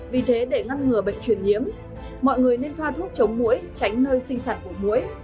vì thế để ngăn ngừa bệnh truyền nhiễm mọi người nên thoa thuốc chống mũi tránh nơi sinh sản của mũi